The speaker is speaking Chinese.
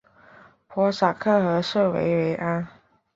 波萨克和圣维维安。